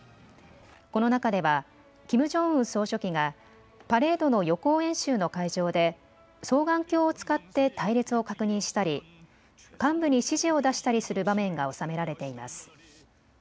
この中ではキム・ジョンウン総書記がパレードの予行演習の会場で双眼鏡を使って隊列を確認したり幹部に指示を出したりする場面が収められています。